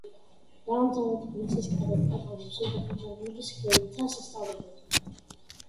დაამთავრა თბილისის კადეტთა კორპუსი და პეტერბურგის ქვეითთა სასწავლებელი.